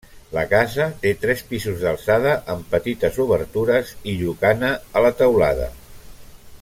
La casa té tres pisos d'alçada amb petites obertures i llucana a la teulada.